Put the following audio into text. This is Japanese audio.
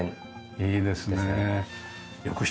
いいですねえ。